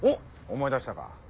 思い出したか。